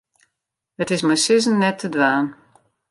It is mei sizzen net te dwaan.